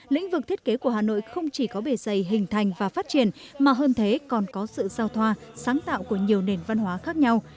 lĩnh vực thiết kế của hà nội không chỉ có bề dày hình thành và phát triển mà hơn thế còn có sự giao thoa sáng tạo của nhiều nền văn hóa khác nhau